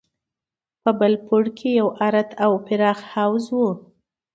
په بل پوړ کښې يو ارت او پراخ حوض و.